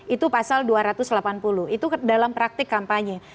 itu pasal dua ratus delapan puluh itu dalam praktik kampanye